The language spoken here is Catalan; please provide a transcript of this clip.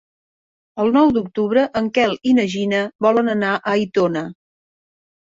El nou d'octubre en Quel i na Gina volen anar a Aitona.